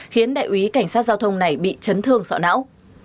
khiến đại úy cảnh sát giao thông này bị chấn thương sọ não